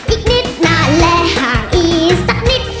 อีกนิดนานและห่างอีกสักนิด